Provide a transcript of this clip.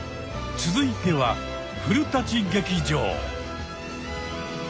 続いては古劇場。